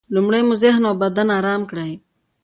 لومړی مو ذهن او بدن ارام کړئ.